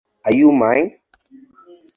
Are You Mine?